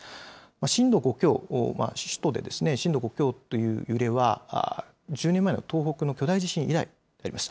震度５強、首都で震度５強という揺れは、１０年前の東北の巨大地震以来になります。